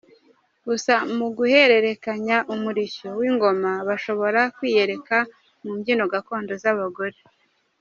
Gusa mu guherekeza umurishyo w’ingoma, bashobora kwiyereka mu mbyino gakondo z’abagore.